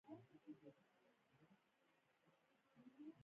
انسټاګرام مې خپل راپرانیست